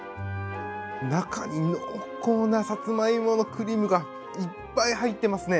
中に濃厚なさつまいものクリームがいっぱい入ってますね。